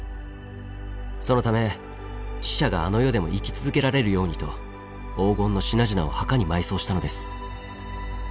そのため死者があの世でも生き続けられるようにと黄金の品々を墓に埋葬したのです。